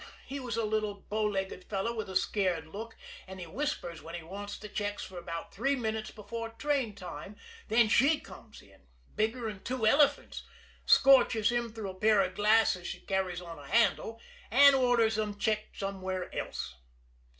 He was a little bow legged fellow with a scared look, and he whispers where he wants the checks for about three minutes before train time, then she comes in, bigger'n two elephants, scorches him through a pair of glasses she carries on a handle, and orders 'em checked somewhere else.